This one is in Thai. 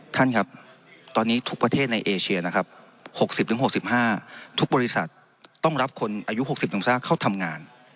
ท่านครับตอนนี้ทุกประเทศในเอเชียนะครับ๖๐๖๕ทุกบริษัทต้องรับคนอายุ๖๐ต่างเข้าทำงาน